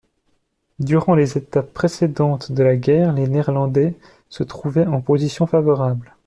Durant les étapes précédentes de la guerre, les Néerlandais se trouvaient en position favorable.